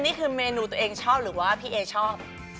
นี่คือเมนูตัวเองชอบหรือว่าพี่เอชอบ